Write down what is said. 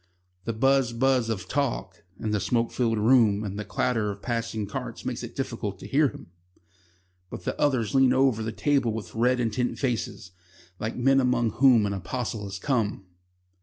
The buzz buzz of talk in the smoke filled room and the clatter of passing carts makes it difficult to hear him, but the others lean over the table with red, intent faces, like men among whom an apostle has come.